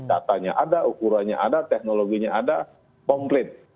datanya ada ukurannya ada teknologinya ada komplit